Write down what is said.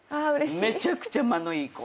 めちゃくちゃ間のいい子。